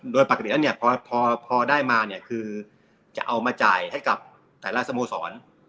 โดยปกติพอได้มาคือจะเอามาจ่ายให้กับแต่ละสโมสร